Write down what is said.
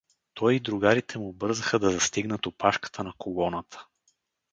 Той и другарите му бързаха да застигнат опашката на колоната.